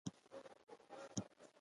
د نوښت انګېزه په کې وژل شوې وه.